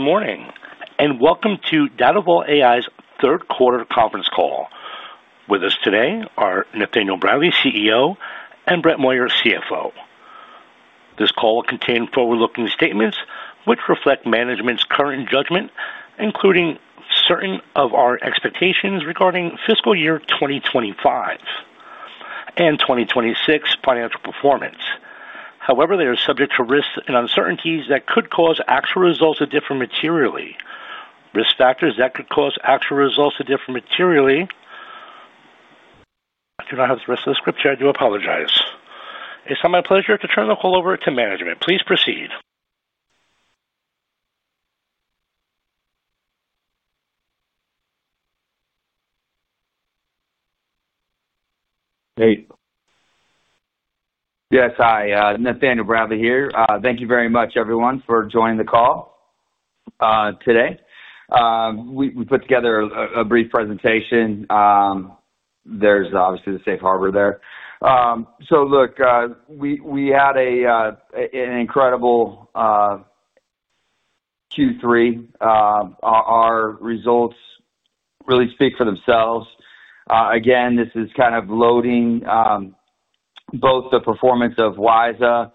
Good morning and welcome to Datavault AI's Third Quarter Conference Call. With us today are Nathaniel Bradley, CEO, and Brett Moyer, CFO. This call will contain forward-looking statements which reflect management's current judgment, including certain of our expectations regarding fiscal year 2025 and 2026 financial performance. However, they are subject to risks and uncertainties that could cause actual results to differ materially. Risk factors that could cause actual results to differ materially. I do not have the rest of the scripture. I do apologize. It's my pleasure to turn the call over to management. Please proceed. Yes, hi. Nathaniel Bradley here. Thank you very much, everyone, for joining the call today. We put together a brief presentation. There is obviously the safe harbor there. Look, we had an incredible Q3. Our results really speak for themselves. Again, this is kind of loading both the performance of WiSA,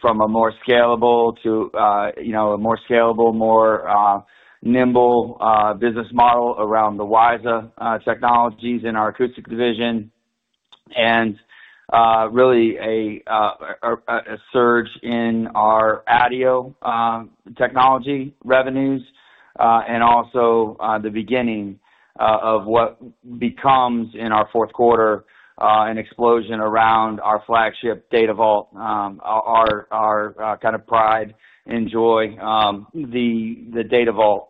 from a more scalable to a more scalable, more nimble business model around the WiSA technologies in our acoustic division. Really, a surge in our audio technology revenues, and also the beginning of what becomes in our fourth quarter an explosion around our flagship Datavault, our kind of pride and joy. The Datavault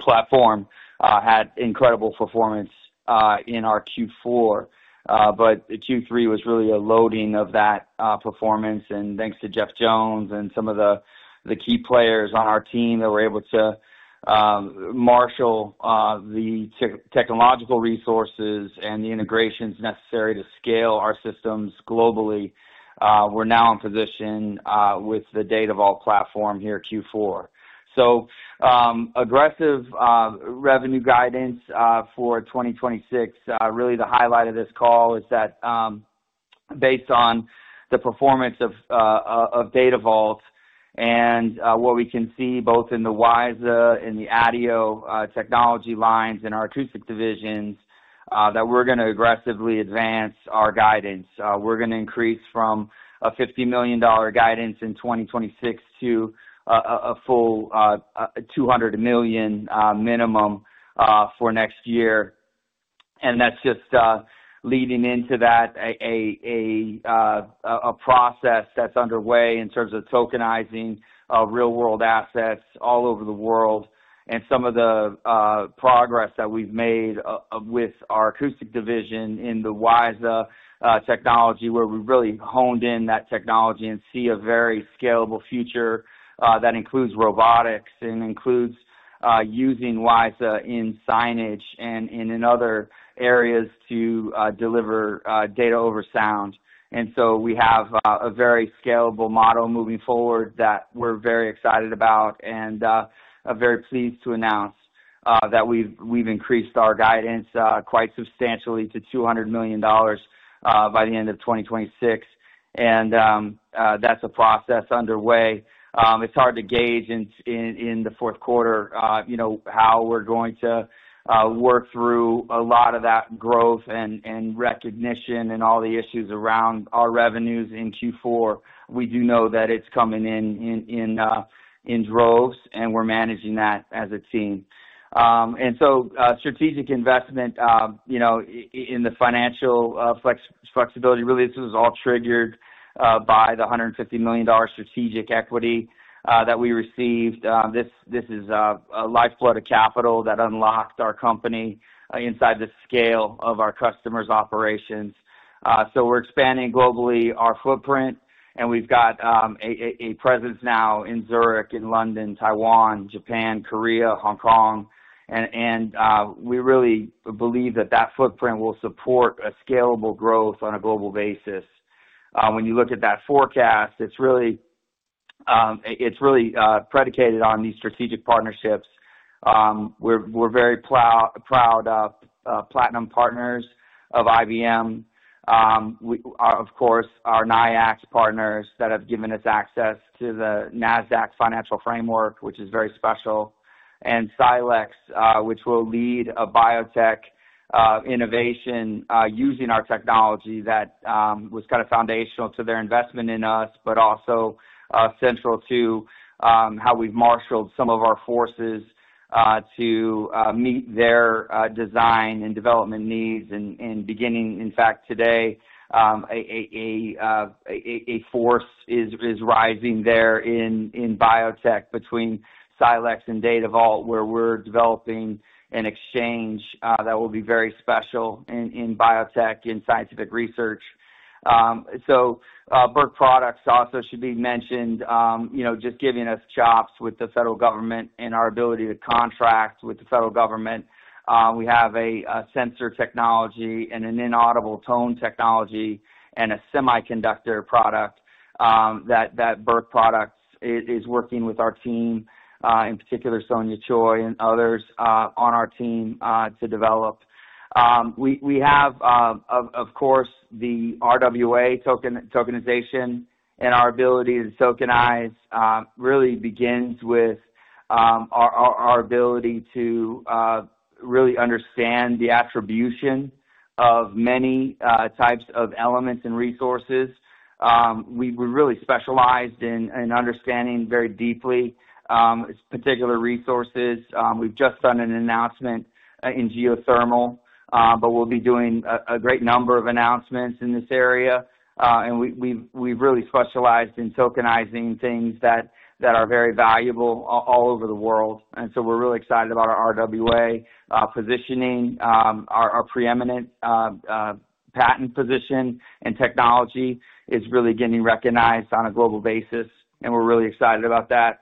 Platform had incredible performance in our Q4, but the Q3 was really a loading of that performance. Thanks to Jeff Jones and some of the key players on our team that were able to marshal the technological resources and the integrations necessary to scale our systems globally, we're now in position with the Datavault Platform here Q4. Aggressive revenue guidance for 2026. Really the highlight of this call is that, based on the performance of Datavault and what we can see both in the WiSA, in the audio technology lines, and our acoustic divisions, we're gonna aggressively advance our guidance. We're gonna increase from a $50 million guidance in 2026 to a full $200 million minimum for next year. And that's just leading into a process that's underway in terms of tokenizing real-world assets all over the world. Some of the progress that we've made with our acoustic division in the WiSA technology, where we've really honed in that technology and see a very scalable future, includes robotics and includes using WiSA in signage and in other areas to deliver data over sound. We have a very scalable model moving forward that we're very excited about and very pleased to announce that we've increased our guidance quite substantially to $200 million by the end of 2026. That's a process underway. It's hard to gauge in the fourth quarter, you know, how we're going to work through a lot of that growth and recognition and all the issues around our revenues in Q4. We do know that it's coming in in droves, and we're managing that as a team. And so, strategic investment, you know, in the financial flexibility, really, this was all triggered by the $150 million strategic equity that we received. This is a lifeblood of capital that unlocked our company inside the scale of our customers' operations. We are expanding globally our footprint, and we have a presence now in Zurich, in London, Taiwan, Japan, Korea, Hong Kong. We really believe that that footprint will support a scalable growth on a global basis. When you look at that forecast, it is really predicated on these strategic partnerships. We are very proud of Platinum Partners of IBM. We are, of course, our NIL Exchange partners that have given us access to the Nasdaq financial framework, which is very special, and Scilex, which will lead a biotech innovation using our technology that was kind of foundational to their investment in us, but also central to how we've marshaled some of our forces to meet their design and development needs. In fact, beginning today, a force is rising there in biotech between Scilex and Datavault, where we're developing an exchange that will be very special in biotech, in scientific research. BERT products also should be mentioned, you know, just giving us chops with the federal government and our ability to contract with the federal government. We have a sensor technology and an inaudible tone technology and a semiconductor product that BERT products is working with our team, in particular, Sonia Choi and others on our team, to develop. We have, of course, the RWA tokenization and our ability to tokenize really begins with our ability to really understand the attribution of many types of elements and resources. We're really specialized in understanding very deeply particular resources. We've just done an announcement in geothermal, but we'll be doing a great number of announcements in this area. We've really specialized in tokenizing things that are very valuable all over the world. We are really excited about our RWA positioning. Our preeminent patent position and technology is really getting recognized on a global basis, and we're really excited about that.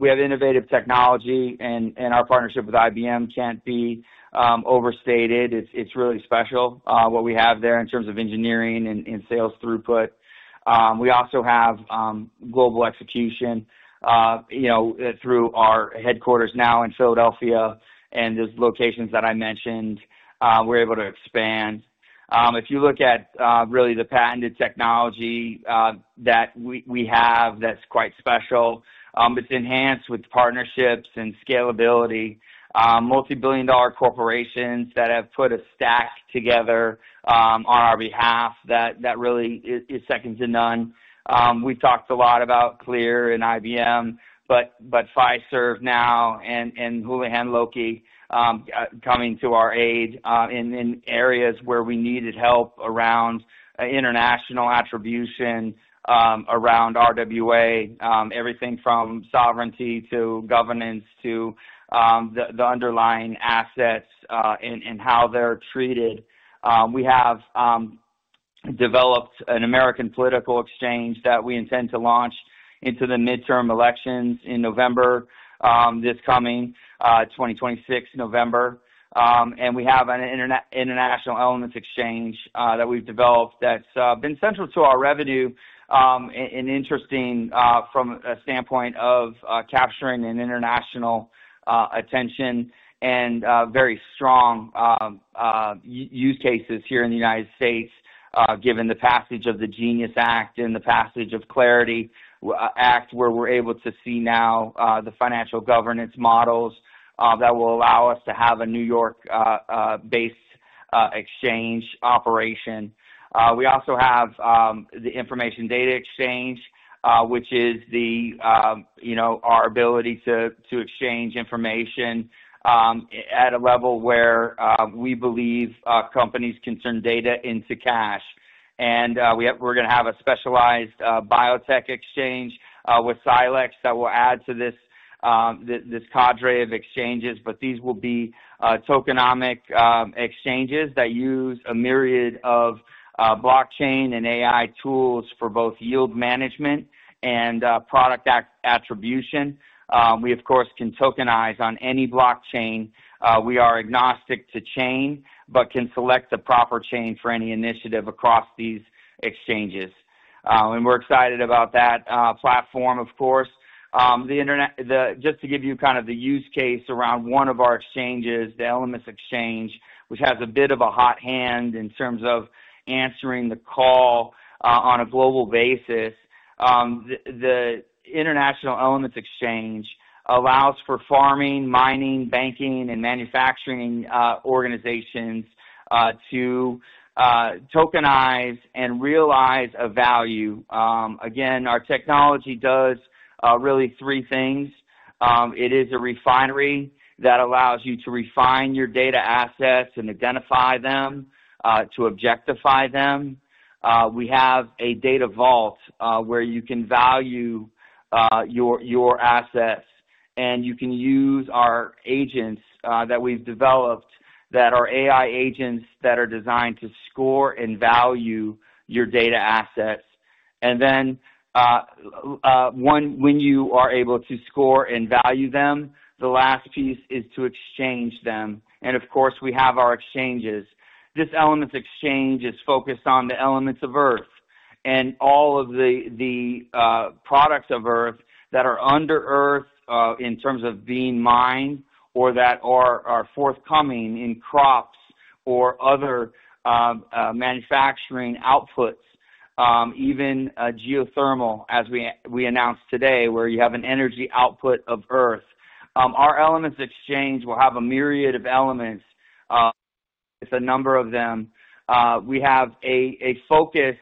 We have innovative technology, and our partnership with IBM cannot be overstated. It is really special, what we have there in terms of engineering and sales throughput. We also have global execution, you know, through our headquarters now in Philadelphia and those locations that I mentioned. We are able to expand. If you look at, really, the patented technology that we have that is quite special, it is enhanced with partnerships and scalability. Multi-billion-dollar corporations that have put a stack together on our behalf that really is second to none. We have talked a lot about CLEAR and IBM, but Pfizer now and Houlihan Lokey coming to our aid in areas where we needed help around international attribution, around RWA, everything from sovereignty to governance to the underlying assets, and how they are treated. We have developed an American Politics Exchange that we intend to launch into the midterm elections in November, this coming 2026 November. We have an International Elements Exchange that we've developed that's been central to our revenue, interesting from a standpoint of capturing international attention and very strong use cases here in the United States, given the passage of the Genius Act and the passage of the Clarity Act, where we're able to see now the financial governance models that will allow us to have a New York-based exchange operation. We also have the Information Data Exchange, which is the, you know, our ability to exchange information at a level where we believe companies can turn data into cash. We are going to have a specialized biotech exchange with Scilex that will add to this cadre of exchanges. These will be tokenomic exchanges that use a myriad of blockchain and AI tools for both yield management and product attribution. We, of course, can tokenize on any blockchain. We are agnostic to chain but can select the proper chain for any initiative across these exchanges. We are excited about that platform, of course. Just to give you kind of the use case around one of our exchanges, the Elements Exchange, which has a bit of a hot hand in terms of answering the call on a global basis. The International Elements Exchange allows for farming, mining, banking, and manufacturing organizations to tokenize and realize a value. Again, our technology does really three things. It is a refinery that allows you to refine your data assets and identify them, to objectify them. We have a Datavault, where you can value your assets, and you can use our agents that we've developed that are AI agents that are designed to score and value your data assets. When you are able to score and value them, the last piece is to exchange them. Of course, we have our exchanges. This Elements Exchange is focused on the elements of Earth and all of the products of Earth that are under Earth, in terms of being mined or that are forthcoming in crops or other manufacturing outputs, even geothermal, as we announced today, where you have an energy output of Earth. Our Elements Exchange will have a myriad of elements. It's a number of them. We have a focus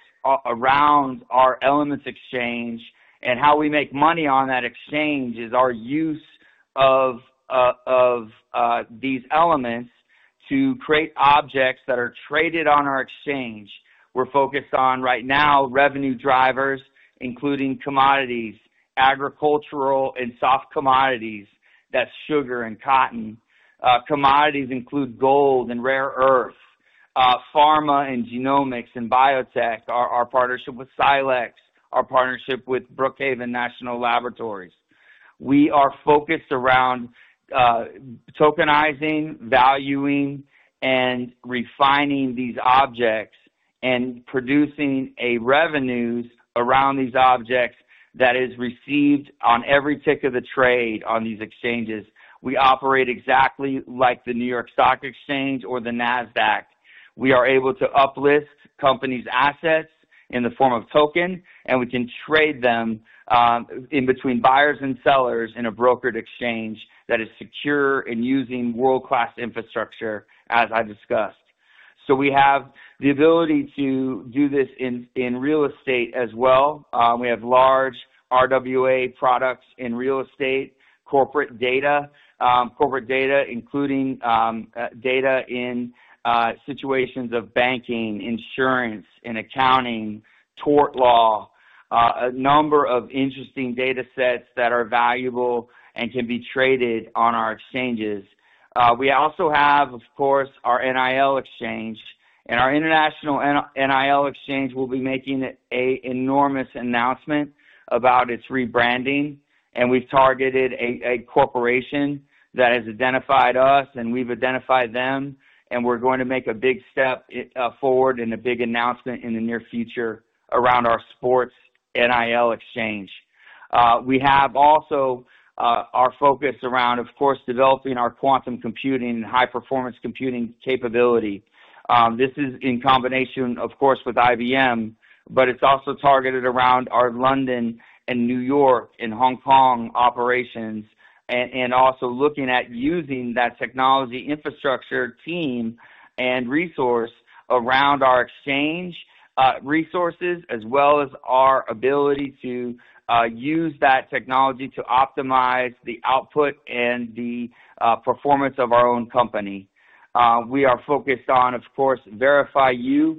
around our Elements Exchange, and how we make money on that exchange is our use of these elements to create objects that are traded on our exchange. We're focused on right now revenue drivers, including commodities, agricultural and soft commodities. That's sugar and cotton. Commodities include gold and rare earth, pharma and genomics and biotech, our partnership with Scilex, our partnership with Brookhaven National Laboratory. We are focused around tokenizing, valuing, and refining these objects and producing revenues around these objects that is received on every tick of the trade on these exchanges. We operate exactly like the New York Stock Exchange or the Nasdaq. We are able to uplist companies' assets in the form of token, and we can trade them in between buyers and sellers in a brokered exchange that is secure and using world-class infrastructure, as I discussed. We have the ability to do this in real estate as well. We have large RWA products in real estate, corporate data, including data in situations of banking, insurance, and accounting, tort law, a number of interesting data sets that are valuable and can be traded on our exchanges. We also have, of course, our NIL Exchange, and our International NIL Exchange will be making an enormous announcement about its rebranding. We have targeted a corporation that has identified us, and we have identified them, and we are going to make a big step forward and a big announcement in the near future around our sports NIL Exchange. We have also our focus around, of course, developing our quantum computing and high-performance computing capability. This is in combination, of course, with IBM, but it's also targeted around our London and New York and Hong Kong operations, and also looking at using that technology infrastructure team and resource around our exchange resources, as well as our ability to use that technology to optimize the output and the performance of our own company. We are focused on, of course, VerifyU,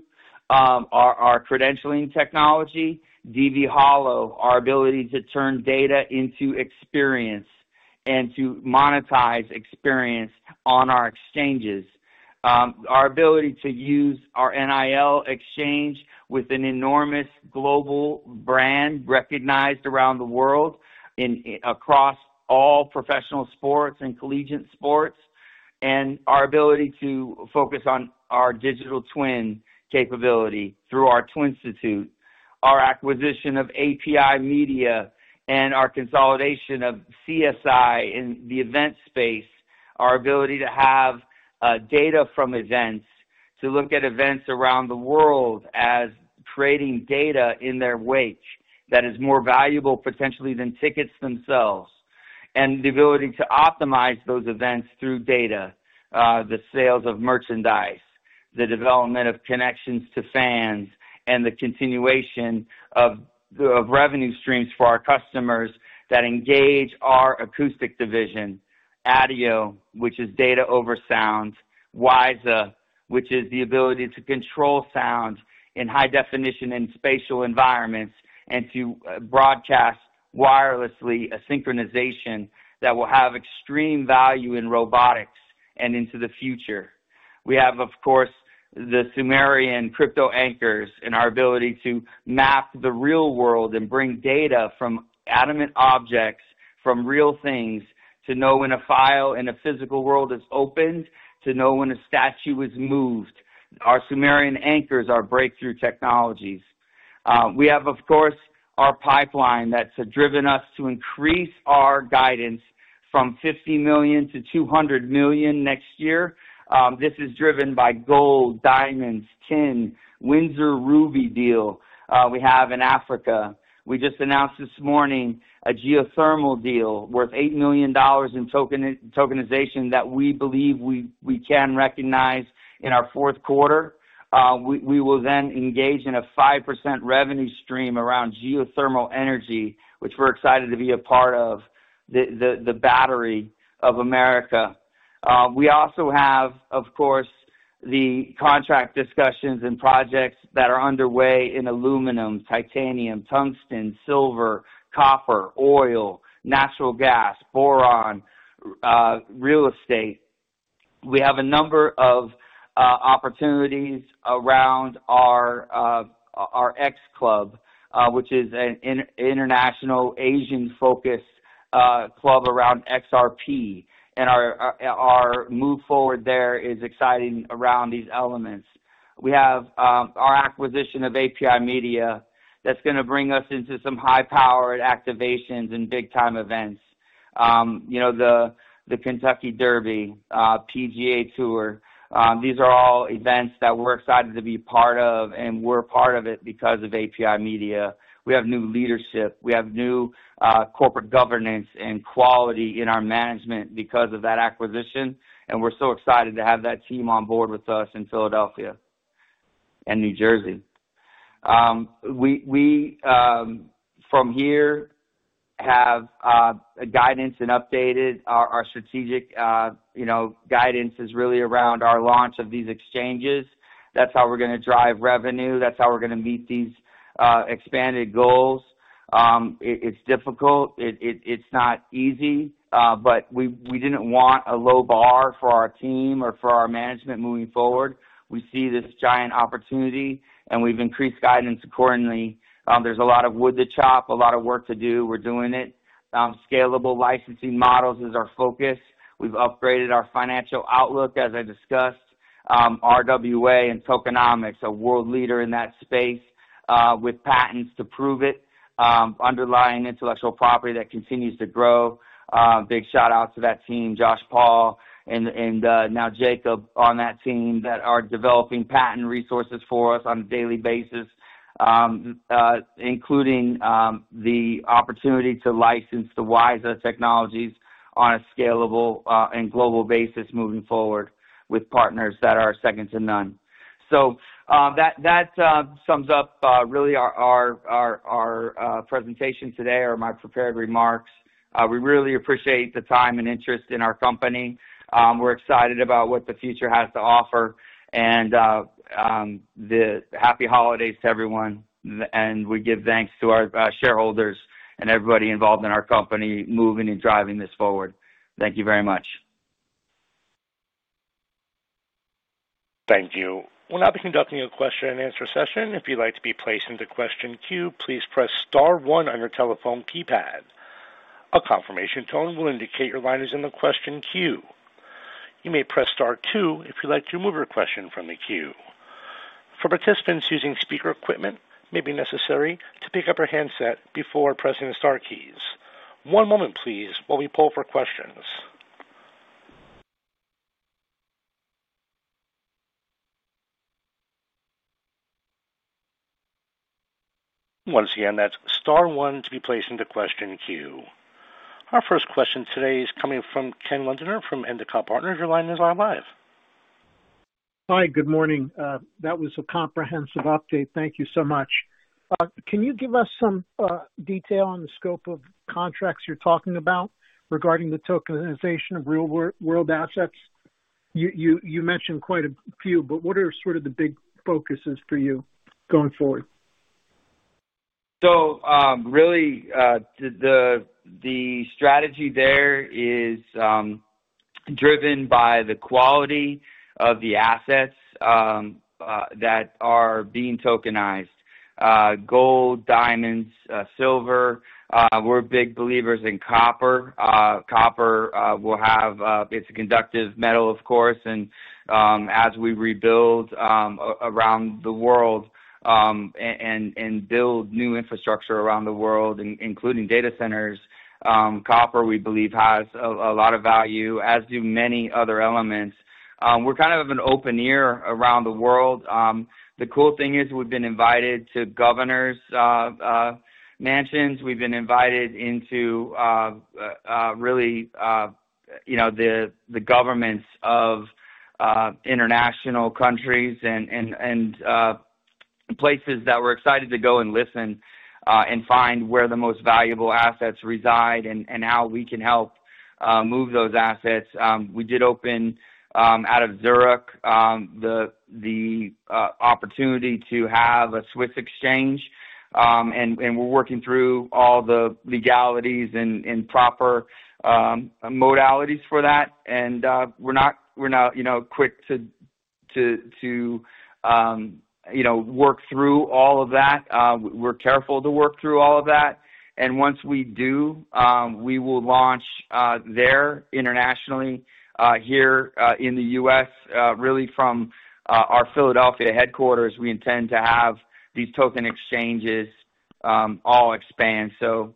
our credentialing technology, DVHolo, our ability to turn data into experience and to monetize experience on our exchanges. Our ability to use our NIL Exchange with an enormous global brand recognized around the world in, in across all professional sports and collegiate sports, and our ability to focus on our digital twin capability through our Twinstate, our acquisition of API Media, and our consolidation of CSI in the event space, our ability to have data from events to look at events around the world as creating data in their wake that is more valuable potentially than tickets themselves, and the ability to optimize those events through data, the sales of merchandise, the development of connections to fans, and the continuation of the revenue streams for our customers that engage our acoustic division, ADIO, which is data over sound, WiSA, which is the ability to control sound in high definition in spatial environments and to broadcast wirelessly a synchronization that will have extreme value in robotics and into the future. We have, of course, the Sumerian Crypto Anchors and our ability to map the real world and bring data from adamant objects, from real things, to know when a file in a physical world is opened, to know when a statue is moved. Our Sumerian anchors are breakthrough technologies. We have, of course, our pipeline that's driven us to increase our guidance from $50 million to $200 million next year. This is driven by gold, diamonds, tin, Windsor Ruby deal we have in Africa. We just announced this morning a geothermal deal worth $8 million in tokenization that we believe we can recognize in our fourth quarter. We will then engage in a 5% revenue stream around geothermal energy, which we're excited to be a part of the battery of America. We also have, of course, the contract discussions and projects that are underway in aluminum, titanium, tungsten, silver, copper, oil, natural gas, boron, real estate. We have a number of opportunities around our X Club, which is an international Asian-focused club around XRP. Our move forward there is exciting around these elements. We have our acquisition of API Media that's gonna bring us into some high-powered activations and big-time events. You know, the Kentucky Derby, PGA Tour, these are all events that we're excited to be part of, and we're part of it because of API Media. We have new leadership. We have new corporate governance and quality in our management because of that acquisition, and we're so excited to have that team on board with us in Philadelphia and New Jersey. We, from here, have guidance and updated our strategic, you know, guidance is really around our launch of these exchanges. That's how we're gonna drive revenue. That's how we're gonna meet these expanded goals. It is difficult. It is not easy, but we did not want a low bar for our team or for our management moving forward. We see this giant opportunity, and we've increased guidance accordingly. There's a lot of wood to chop, a lot of work to do. We're doing it. Scalable licensing models is our focus. We've upgraded our financial outlook, as I discussed. RWA and tokenomics, a world leader in that space, with patents to prove it, underlying intellectual property that continues to grow. Big shout-out to that team, Josh Paul and now Jacob on that team that are developing patent resources for us on a daily basis, including the opportunity to license the WiSA Technologies on a scalable and global basis moving forward with partners that are second to none. That sums up really our presentation today or my prepared remarks. We really appreciate the time and interest in our company. We're excited about what the future has to offer. Happy holidays to everyone. We give thanks to our shareholders and everybody involved in our company moving and driving this forward. Thank you very much. Thank you. We'll now begin documenting the question and answer session. If you'd like to be placed into question queue, please press star one on your telephone keypad. A confirmation tone will indicate your line is in the question queue. You may press star two if you'd like to remove your question from the queue. For participants using speaker equipment, it may be necessary to pick up your handset before pressing the star keys. One moment, please, while we pull up our questions. Once again, that's star one to be placed into question queue. Our first question today is coming from Ken Londoner from Endicott Partners. Your line is now live. Hi, good morning. That was a comprehensive update. Thank you so much. Can you give us some detail on the scope of contracts you're talking about regarding the tokenization of real-world assets? You mentioned quite a few, but what are sort of the big focuses for you going forward? Really, the strategy there is driven by the quality of the assets that are being tokenized, gold, diamonds, silver. We're big believers in copper. Copper will have, it's a conductive metal, of course. As we rebuild around the world and build new infrastructure around the world, including data centers, copper, we believe, has a lot of value, as do many other elements. We're kind of an open ear around the world. The cool thing is we've been invited to governors' mansions. We've been invited into, really, you know, the governments of international countries and places that we're excited to go and listen, and find where the most valuable assets reside and how we can help move those assets. We did open, out of Zurich, the opportunity to have a Swiss exchange. We are working through all the legalities and proper modalities for that. We are not, you know, quick to work through all of that. We are careful to work through all of that. Once we do, we will launch there internationally, here in the U.S., really from our Philadelphia headquarters. We intend to have these token exchanges all expand. To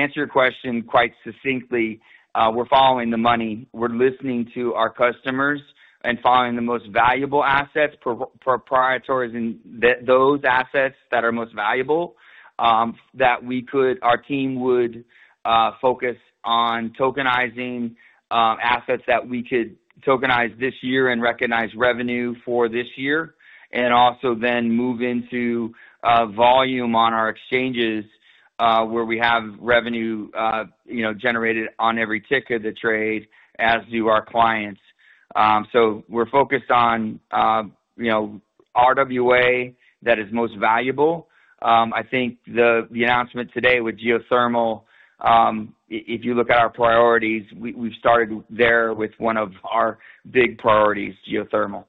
answer your question quite succinctly, we are following the money. We are listening to our customers and finding the most valuable assets, proprietaries in those assets that are most valuable, that our team would focus on tokenizing, assets that we could tokenize this year and recognize revenue for this year, and also then move into volume on our exchanges, where we have revenue generated on every tick of the trade, as do our clients. We're focused on, you know, RWA that is most valuable. I think the announcement today with geothermal, if you look at our priorities, we've started there with one of our big priorities, geothermal.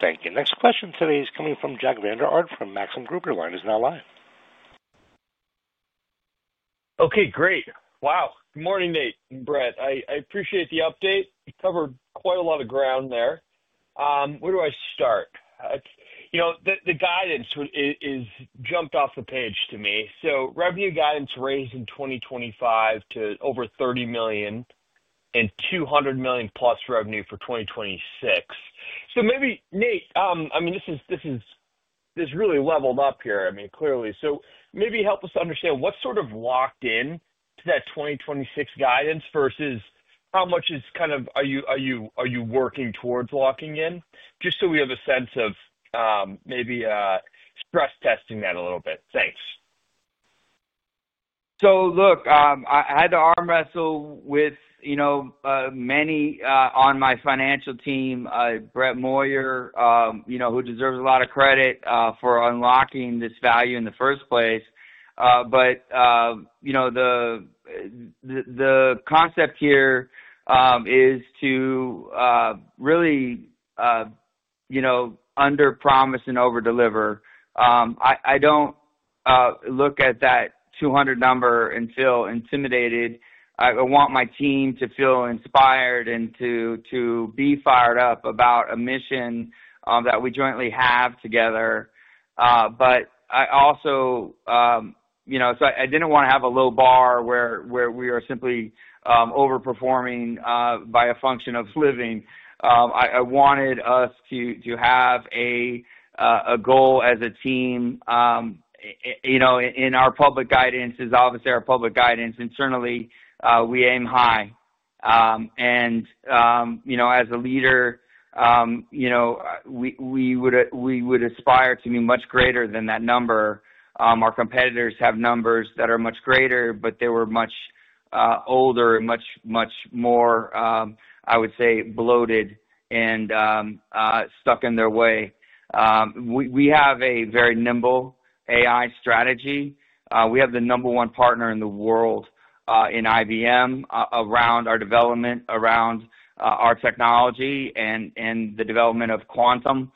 Thank you. Next question today is coming from Jack Vander Aarde from Maxim Group. Your line is now live. Okay, great. Wow. Good morning, Nate and Brett. I appreciate the update. You covered quite a lot of ground there. Where do I start? You know, the guidance is jumped off the page to me. So revenue guidance raised in 2025 to over $30 million and $200 million+ revenue for 2026. Maybe, Nate, I mean, this is really leveled up here, I mean, clearly. Maybe help us understand what's sort of locked in to that 2026 guidance versus how much is kind of, are you working towards locking in? Just so we have a sense of, maybe, stress-testing that a little bit. Thanks. Look, I had to arm wrestle with, you know, many on my financial team, Brett Moyer, who deserves a lot of credit for unlocking this value in the first place. The concept here is to really, you know, under-promise and over-deliver. I don't look at that 200 number and feel intimidated. I want my team to feel inspired and to be fired up about a mission that we jointly have together. I also, you know, I didn't want to have a low bar where we are simply overperforming by a function of living. I wanted us to have a goal as a team, you know, in our public guidance, as obviously our public guidance internally, we aim high. And, you know, as a leader, you know, we would aspire to be much greater than that number. Our competitors have numbers that are much greater, but they were much older and much, much more, I would say, bloated and stuck in their way. We have a very nimble AI strategy. We have the number one partner in the world, in IBM, around our development, around our technology and the development of quantum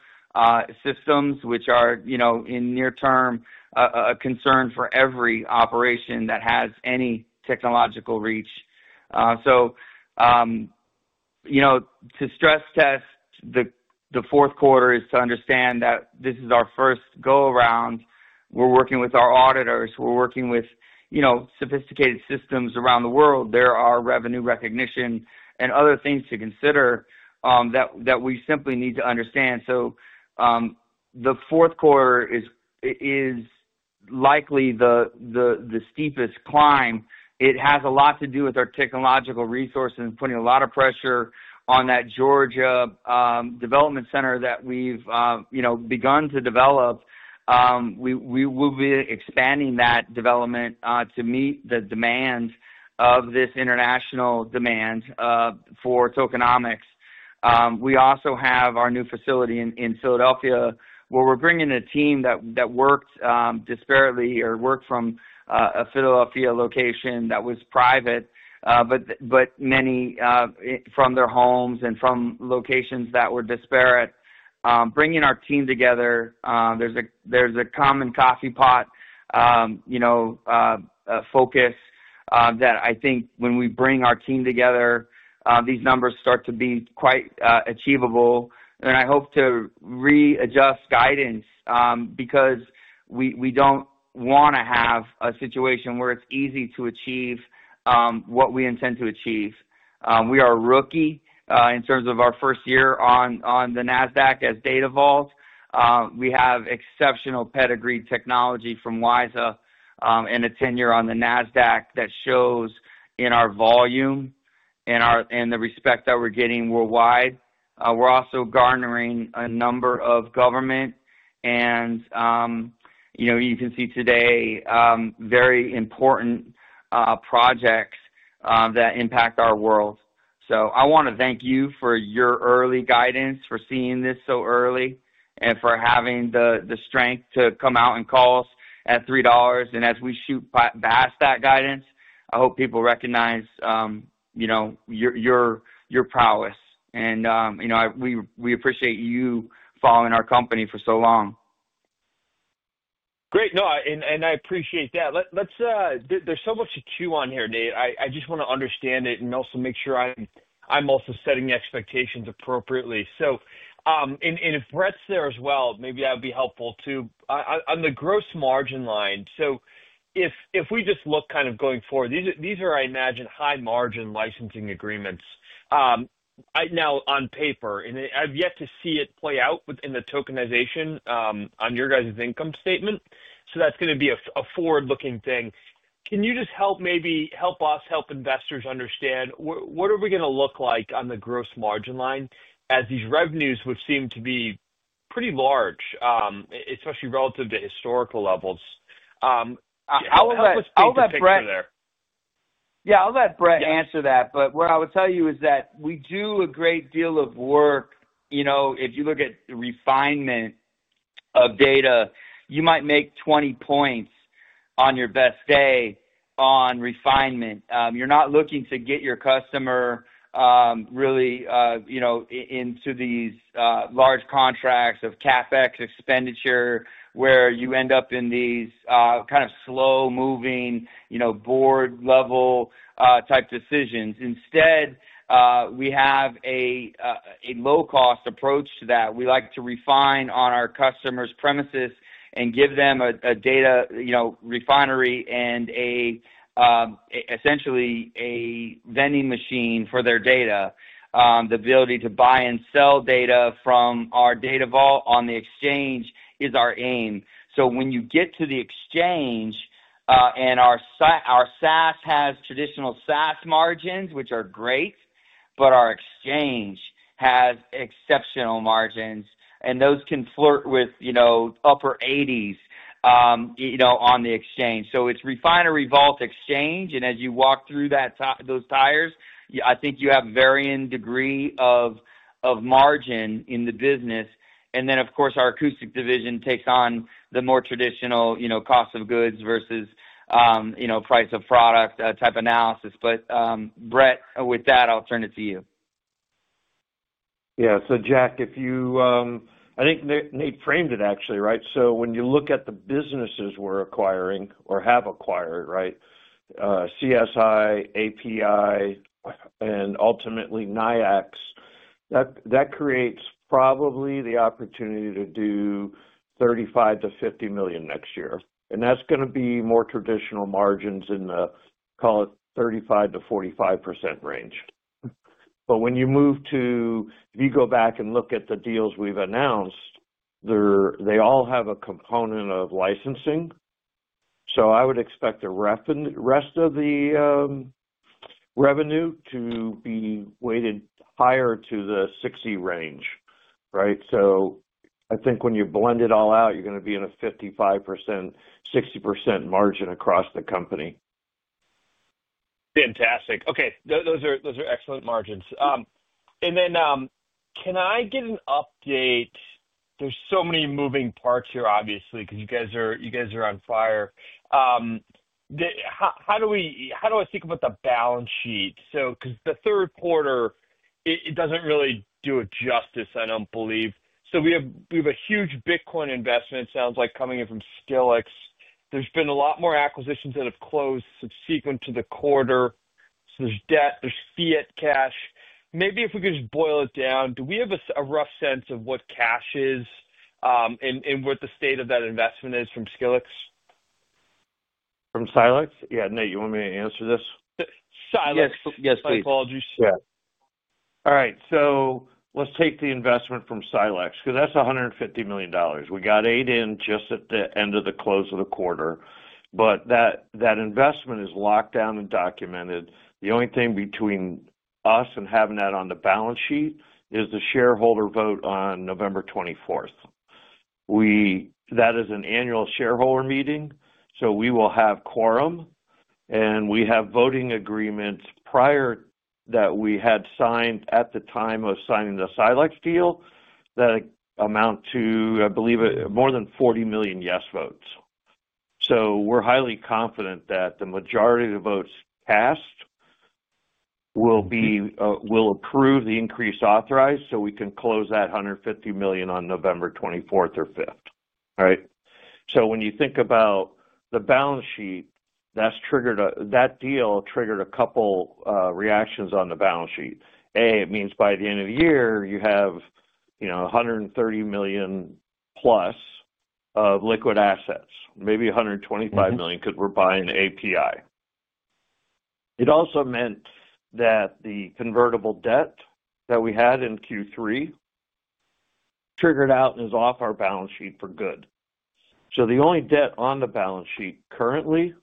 systems, which are, you know, in near term, a concern for every operation that has any technological reach. To stress-test the fourth quarter is to understand that this is our first go-around. We're working with our auditors. We're working with, you know, sophisticated systems around the world. There are revenue recognition and other things to consider, that we simply need to understand. The fourth quarter is likely the steepest climb. It has a lot to do with our technological resource and putting a lot of pressure on that Georgia development center that we've begun to develop. We will be expanding that development to meet the demand of this international demand for tokenomics. We also have our new facility in Philadelphia where we're bringing a team that worked disparately or worked from a Philadelphia location that was private, but many from their homes and from locations that were disparate. Bringing our team together, there's a common coffee pot, you know, focus, that I think when we bring our team together, these numbers start to be quite achievable. I hope to readjust guidance, because we don't want to have a situation where it's easy to achieve what we intend to achieve. We are a rookie, in terms of our first year on the Nasdaq as Datavault. We have exceptional pedigree technology from WiSA, and a tenure on the Nasdaq that shows in our volume and the respect that we're getting worldwide. We're also garnering a number of government and, you know, you can see today, very important projects that impact our world. I want to thank you for your early guidance, for seeing this so early, and for having the strength to come out and call us at $3. As we shoot past that guidance, I hope people recognize, you know, your prowess. We appreciate you following our company for so long. Great. No, I, and I appreciate that. Let's, there's so much to chew on here, Nate. I just wanna understand it and also make sure I'm also setting expectations appropriately. If Brett's there as well, maybe that would be helpful too. On the gross margin line, if we just look kind of going forward, these are, I imagine, high-margin licensing agreements right now on paper. I've yet to see it play out within the tokenization on your guys' income statement. That's gonna be a forward-looking thing. Can you just maybe help us, help investors understand what are we gonna look like on the gross margin line as these revenues, which seem to be pretty large, especially relative to historical levels? How will that, how will that, Brett? Yeah. I'll let Brett answer that. What I would tell you is that we do a great deal of work. You know, if you look at the refinement of data, you might make 20 points on your best day on refinement. You're not looking to get your customer, really, you know, into these large contracts of CapEx expenditure where you end up in these kind of slow-moving, you know, board-level type decisions. Instead, we have a low-cost approach to that. We like to refine on our customers' premises and give them a data refinery and essentially a vending machine for their data. The ability to buy and sell data from our data vault on the exchange is our aim. When you get to the exchange, and our SaaS has traditional SaaS margins, which are great, but our exchange has exceptional margins. Those can flirt with, you know, upper 80s, you know, on the exchange. It is refinery vault exchange. As you walk through those tiers, you, I think you have varying degree of, of margin in the business. Of course, our acoustic division takes on the more traditional, you know, cost of goods versus, you know, price of product, type analysis. Brett, with that, I'll turn it to you. Yeah. So Jack, if you, I think Nate framed it actually, right? When you look at the businesses we're acquiring or have acquired, right, CSI, API, and ultimately NYIAX, that creates probably the opportunity to do $35 million-$50 million next year. That's gonna be more traditional margins in the, call it 35%-45% range. If you go back and look at the deals we've announced, they all have a component of licensing. I would expect the rest of the revenue to be weighted higher to the 60% range, right? I think when you blend it all out, you're gonna be in a 55%-60% margin across the company. Fantastic. Okay. Those are, those are excellent margins. And then, can I get an update? There's so many moving parts here, obviously, 'cause you guys are, you guys are on fire. The, how, how do we, how do I think about the balance sheet? 'Cause the third quarter, it, it doesn't really do it justice, I don't believe. We have, we have a huge Bitcoin investment, sounds like, coming in from Scilex. There's been a lot more acquisitions that have closed subsequent to the quarter. There's debt, there's fiat cash. Maybe if we could just boil it down, do we have a rough sense of what cash is? and what the state of that investment is from Scilex? From Scilex? Yeah. Nate, you want me to answer this? S-Scilex. Yes, yes, please. My apologies. Yeah. All right. So let's take the investment from Scilex 'cause that's $150 million. We got eight in just at the end of the close of the quarter. That investment is locked down and documented. The only thing between us and having that on the balance sheet is the shareholder vote on November 24th. That is an annual shareholder meeting. We will have quorum, and we have voting agreements prior that we had signed at the time of signing the Scilex deal that amount to, I believe, more than 40 million yes votes. We're highly confident that the majority of the votes cast will approve the increase authorized so we can close that $150 million on November 24th or 25th, right? When you think about the balance sheet, that deal triggered a couple reactions on the balance sheet. A, it means by the end of the year, you have, you know, $130 million+ of liquid assets, maybe $125 million 'cause we're buying API Media. It also meant that the convertible debt that we had in Q3 triggered out and is off our balance sheet for good. The only debt on the balance sheet currently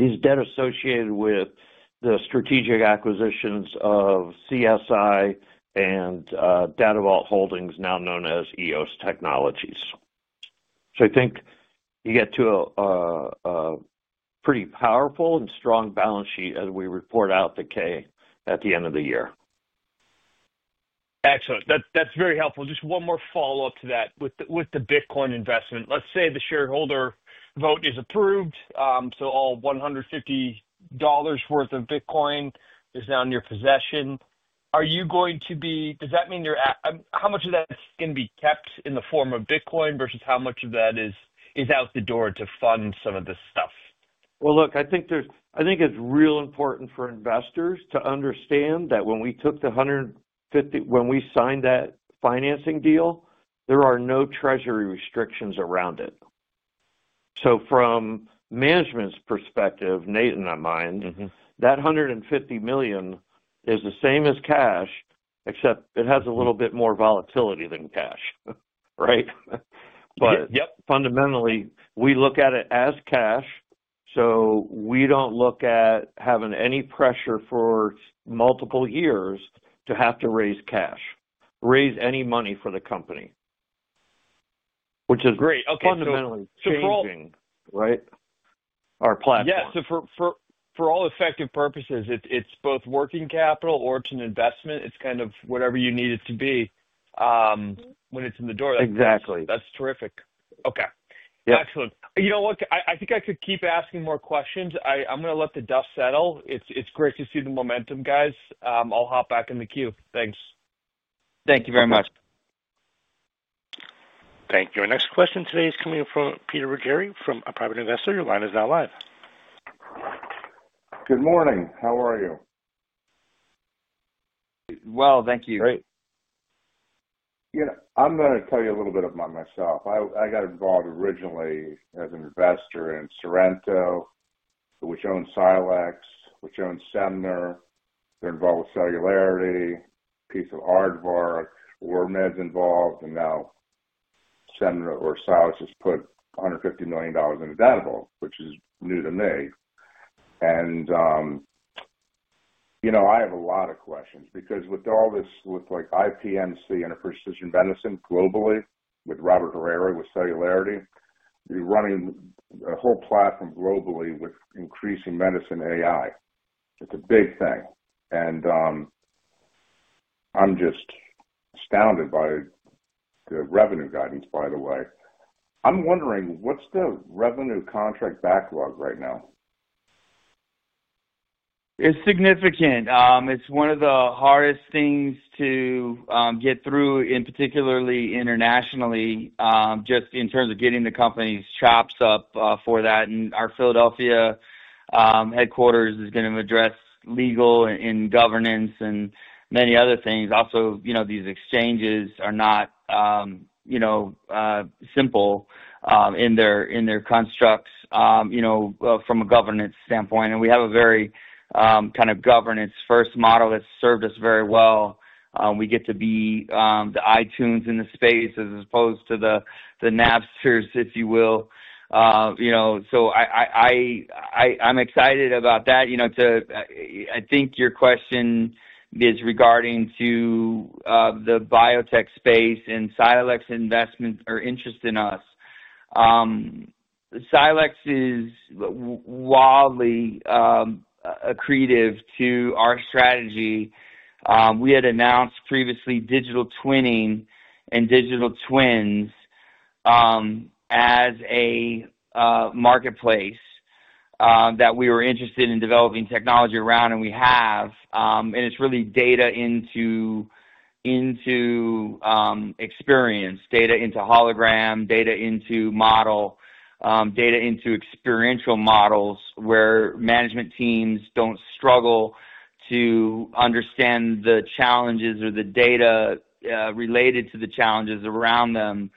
is debt associated with the strategic acquisitions of CSI and Datavault Holdings, now known as EOS Technologies. I think you get to a pretty powerful and strong balance sheet as we report out the K at the end of the year. Excellent. That is very helpful. Just one more follow-up to that. With the, with the Bitcoin investment, let's say the shareholder vote is approved, so all $150 million worth of Bitcoin is now in your possession. Are you going to be, does that mean you're a, how much of that is going to be kept in the form of Bitcoin versus how much of that is out the door to fund some of this stuff? I think it's real important for investors to understand that when we took the $150 million, when we signed that financing deal, there are no treasury restrictions around it. From management's perspective, Nate and I mind. Mm-hmm. That $150 million is the same as cash, except it has a little bit more volatility than cash, right? Yep. Fundamentally, we look at it as cash. We do not look at having any pressure for multiple years to have to raise cash, raise any money for the company, which is fundamentally changing. Right? Our platform. Yeah. For all effective purposes, it's both working capital or it's an investment. It's kind of whatever you need it to be, when it's in the door. Exactly. That's terrific. Okay. Yeah. Excellent. You know what? I think I could keep asking more questions. I'm gonna let the dust settle. It's great to see the momentum, guys. I'll hop back in the queue. Thanks. Thank you very much. Thank you. Our next question today is coming from Peter Ruggieri from a private investor. Your line is now live. Good morning. How are you? Thank you. Great. Yeah. I'm gonna tell you a little bit about myself. I got involved originally as an investor in Sorrento, which owns Scilex, which owns Sumerian. They're involved with Cellularity, a piece of Ardvark, Wormed's involved. Now Sumerian or Scilex has put $150 million into Datavault, which is new to me. You know, I have a lot of questions because with all this, with, like, IPMC and a precision medicine globally, with Robert Hariri, with Cellularity, you're running a whole platform globally with increasing medicine AI. It's a big thing. I'm just astounded by the revenue guidance, by the way. I'm wondering what's the revenue contract backlog right now? It's significant. It's one of the hardest things to get through, particularly internationally, just in terms of getting the company's chops up for that. And our Philadelphia headquarters is gonna address legal and governance and many other things. Also, you know, these exchanges are not, you know, simple in their constructs, you know, from a governance standpoint. And we have a very, kind of governance-first model that's served us very well. We get to be the iTunes in the space as opposed to the Napsters, if you will. You know, I think your question is regarding the biotech space and Scilex investment or interest in us. Scilex is wildly accretive to our strategy. We had announced previously digital twinning and digital twins as a marketplace that we were interested in developing technology around, and we have. It is really data into experience, data into hologram, data into model, data into experiential models where management teams do not struggle to understand the challenges or the data related to the challenges around them.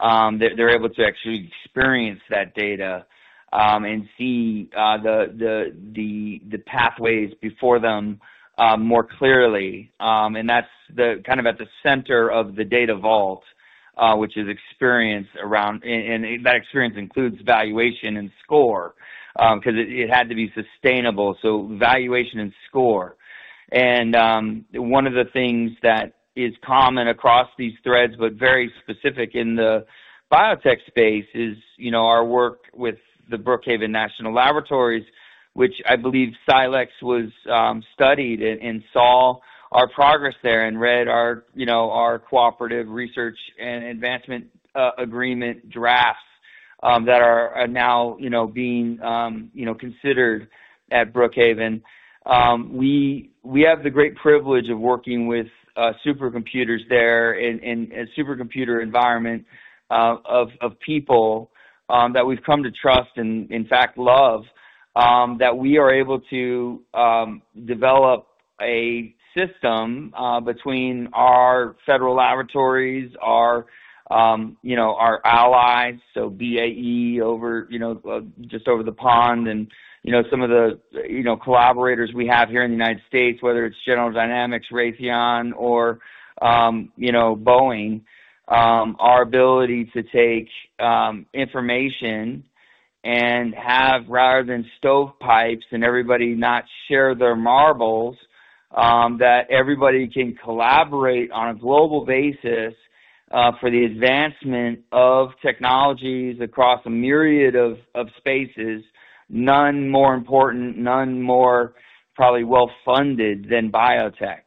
They are able to actually experience that data and see the pathways before them more clearly. That is at the center of the Datavault, which is experience around, and that experience includes valuation and score, because it had to be sustainable. So valuation and score. One of the things that is common across these threads, but very specific in the biotech space, is, you know, our work with the Brookhaven National Laboratory, which I believe Scilex was, studied and saw our progress there and read our, you know, our cooperative research and advancement agreement drafts, that are now, you know, being considered at Brookhaven. We have the great privilege of working with supercomputers there and a supercomputer environment of people that we've come to trust and, in fact, love, that we are able to develop a system between our federal laboratories, our allies, so BAE over just over the pond and some of the collaborators we have here in the United States, whether it's General Dynamics, Raytheon, or Boeing. Our ability to take information and have, rather than stovepipes and everybody not share their marbles, that everybody can collaborate on a global basis for the advancement of technologies across a myriad of spaces, none more important, none more probably well-funded than biotech.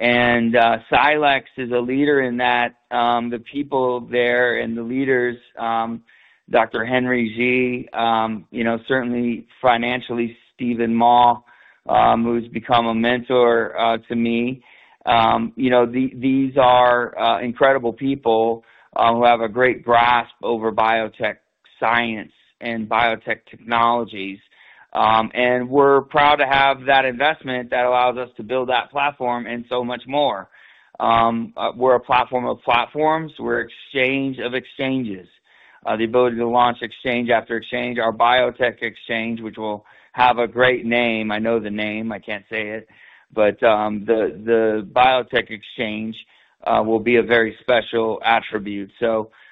Scilex is a leader in that. The people there and the leaders, Dr. Henry Z, you know, certainly financially, Stephen Ma, who's become a mentor to me, you know, these are incredible people who have a great grasp over biotech science and biotech technologies. We're proud to have that investment that allows us to build that platform and so much more. We're a platform of platforms. We're exchange of exchanges, the ability to launch exchange after exchange. Our biotech exchange, which will have a great name. I know the name. I can't say it. The biotech exchange will be a very special attribute. To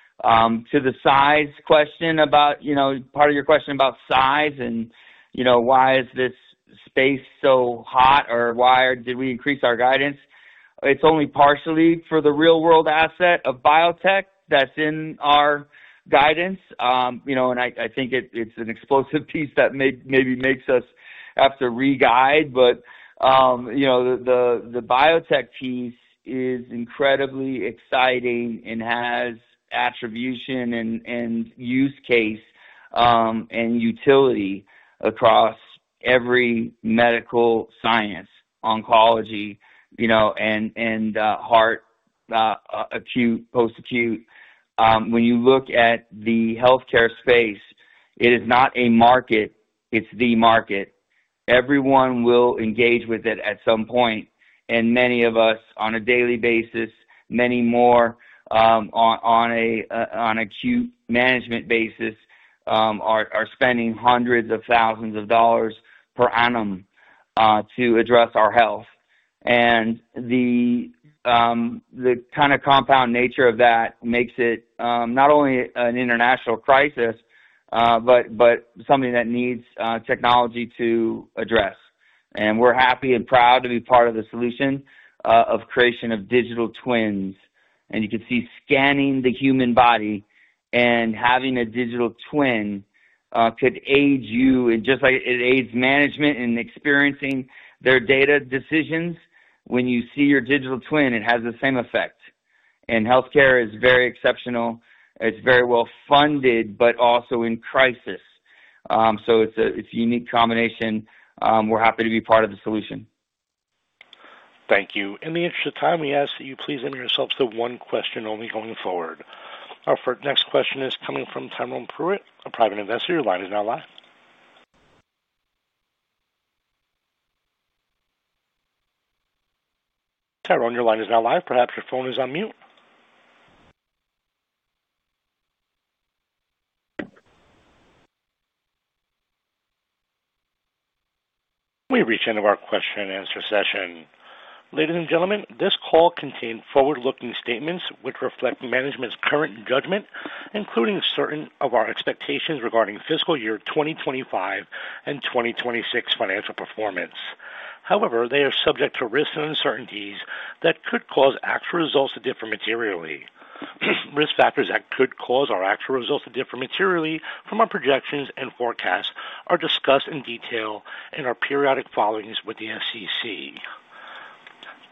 the size question about, you know, part of your question about size and, you know, why is this space so hot or why did we increase our guidance? It's only partially for the real-world asset of biotech that's in our guidance. You know, and I think it, it's an explosive piece that maybe makes us have to re-guide. But, you know, the biotech piece is incredibly exciting and has attribution and use case and utility across every medical science, oncology, you know, and heart, acute, post-acute. When you look at the healthcare space, it is not a market. It's the market. Everyone will engage with it at some point. And many of us, on a daily basis, many more, on an acute management basis, are spending hundreds of thousands of dollars per annum to address our health. The kind of compound nature of that makes it not only an international crisis, but something that needs technology to address. We're happy and proud to be part of the solution, of creation of digital twins. You can see scanning the human body and having a digital twin could aid you in just like it aids management in experiencing their data decisions. When you see your digital twin, it has the same effect. Healthcare is very exceptional. It is very well-funded, but also in crisis. It is a unique combination. We are happy to be part of the solution. Thank you. In the interest of time, we ask that you please limit yourselves to one question only going forward. Our next question is coming from Tyrell Pruitt, a private investor. Your line is now live. Tyrell, your line is now live. Perhaps your phone is on mute. We reach the end of our question-and-answer session. Ladies and gentlemen, this call contains forward-looking statements which reflect management's current judgment, including certain of our expectations regarding fiscal year 2025 and 2026 financial performance. However, they are subject to risks and uncertainties that could cause actual results to differ materially. Risk factors that could cause our actual results to differ materially from our projections and forecasts are discussed in detail in our periodic follow-ups with the SEC.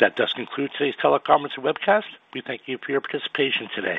That does conclude today's teleconference and webcast. We thank you for your participation today.